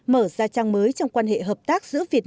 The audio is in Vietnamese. mở ra trang mới trong quan hệ hợp tác